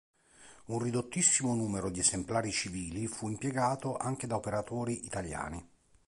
Un ridottissimo numero di esemplari civili fu impiegato anche da operatori italiani.